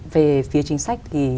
về phía chính sách